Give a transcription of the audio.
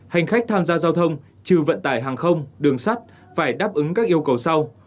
hành khách tham gia giao thông trừ vận tải hàng không đường sắt phải đáp ứng các yêu cầu sau